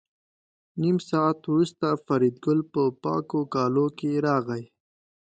نیم ساعت وروسته فریدګل په پاکو کالو کې راغی